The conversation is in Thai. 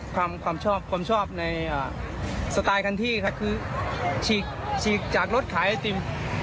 ความชอบความชอบในสไตล์คันที่ครับคือฉีกฉีกจากรถขายไอติม